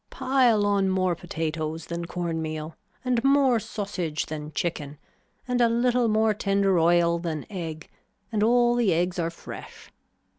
Pile on more potatoes than corn meal and more sausage than chicken and a little more tender oil than egg and all the eggs are fresh.